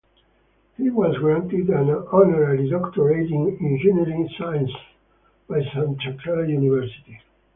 He was granted an honorary doctorate in Engineering Science by Santa Clara University.